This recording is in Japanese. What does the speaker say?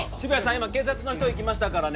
今警察の人行きましたからね